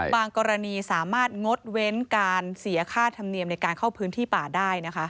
กรณีสามารถงดเว้นการเสียค่าธรรมเนียมในการเข้าพื้นที่ป่าได้นะคะ